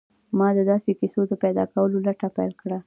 ما د داسې کيسو د پيدا کولو لټه پيل کړه.